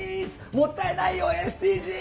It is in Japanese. もったいないよＳＤＧｓ！